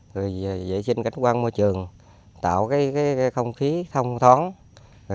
rồi vệ sinh cảnh quan môi trường tạo cái không khí thông thoáng